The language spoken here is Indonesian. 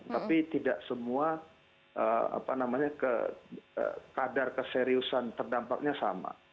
tapi tidak semua kadar keseriusan terdampaknya sama